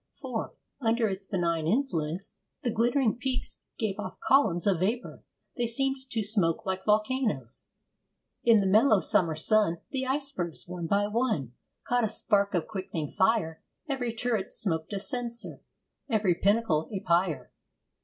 For, under its benign influence, the glittering peaks gave off columns of vapour. They seemed to smoke like volcanoes. In the mellow summer sun, The icebergs, one by one, Caught a spark of quickening fire, Every turret smoked a censer, Every pinnacle a pyre.